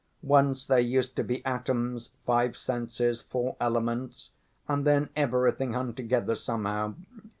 Once there used to be atoms, five senses, four elements, and then everything hung together somehow.